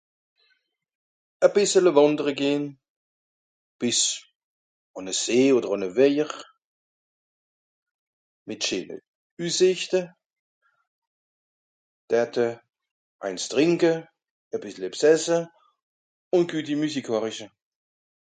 a bìssele wandere gehn bìs àn a see oder àn a weijer mìt scheene üssìschte derte eins trìnke a bìssle ebs esse ùn gueti musique horiche